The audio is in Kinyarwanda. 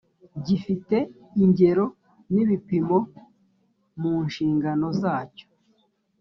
gifite ingero n ibipimo mu nshingano zacyo